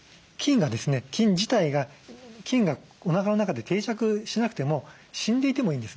菌自体がおなかの中で定着しなくても死んでいてもいいんですね。